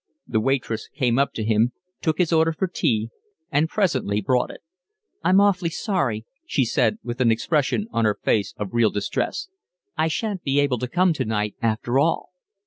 The waitress came up to him, took his order for tea, and presently brought it. "I'm awfully sorry," she said, with an expression on her face of real distress. "I shan't be able to come tonight after all."